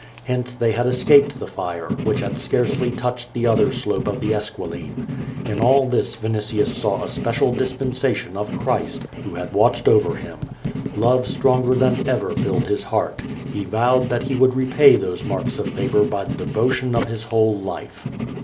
Hence they had escaped the fire, which had scarcely touched the other slope of the Esquiline. In all this Vinitius saw a special dispensation of Christ, who had watched over him. Love stronger than ever filled his heart. He vowed that he would repay those marks of favor by the devotion of his whole life.